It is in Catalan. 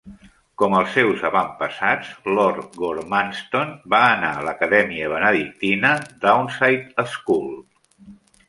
Com els seus avantpassats, lord Gormanston va anar a l'acadèmia benedictina Downside School.